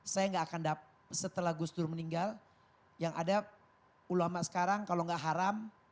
saya nggak akan setelah gus dur meninggal yang ada ulama sekarang kalau nggak haram